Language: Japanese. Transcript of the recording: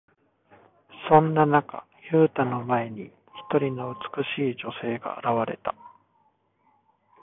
そんな中、ユウタの前に、一人の美しい女性が現れた。